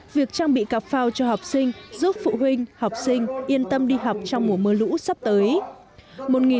việc trang bị cặp phao cho học sinh giúp phụ huynh học sinh yên tâm đi học trong mùa mưa lũ sắp tới